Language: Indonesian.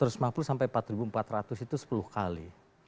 empat ratus lima puluh sampai empat ribu empat ratus itu sepuluh kali